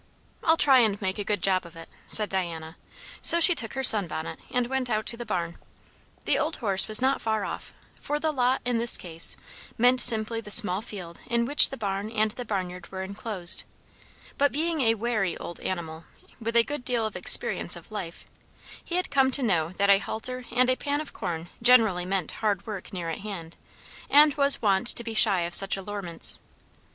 "I'll try and make a good job of it," said Diana. So she took her sun bonnet and went out to the barn. The old horse was not far off, for the "lot" in this case meant simply the small field in which the barn and the barnyard were enclosed; but being a wary old animal, with a good deal of experience of life, he had come to know that a halter and a pan of corn generally meant hard work near at hand, and was won't to be shy of such allurements.